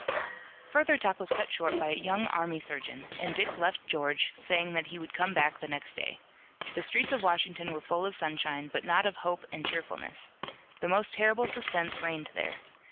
Further talk was cut short by a young army surgeon, and Dick left George, saying that he would come back the next day. The streets of Washington were full of sunshine, but not of hope and cheerfulness. The most terrible suspense reigned there.